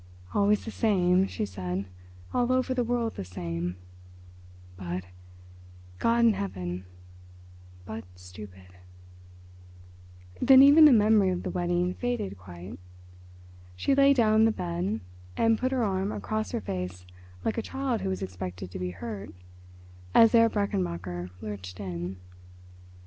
"Always the same," she said—"all over the world the same; but, God in heaven—but stupid." Then even the memory of the wedding faded quite. She lay down on the bed and put her arm across her face like a child who expected to be hurt as Herr Brechenmacher lurched in.